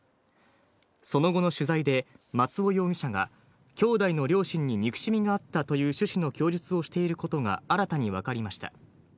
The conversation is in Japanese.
その後の取材で松尾容疑者が兄弟の両親に憎しみがあったという趣旨の供述をしていることが新たに分かりました。